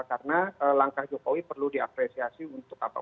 karena langkah jokowi perlu diapresiasi untuk apa